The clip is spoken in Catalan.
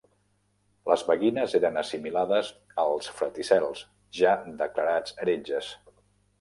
Les beguines eren assimilades als fraticels, ja declarats heretges.